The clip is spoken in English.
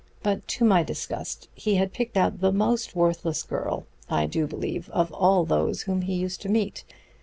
But to my disgust he had picked out the most worthless girl, I do believe, of all those whom we used to meet.